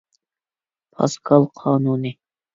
پاسكال قانۇنى